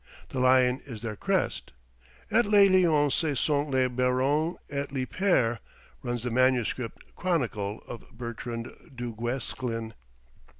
The lion is their crest. Et les Lions ce sont les Barons et li Per, runs the manuscript chronicle of Bertrand Duguesclin.